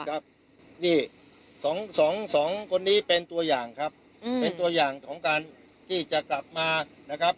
ครับนี่สองสองสองคนนี้เป็นตัวอย่างครับเป็นตัวอย่างของการที่จะกลับมานะครับ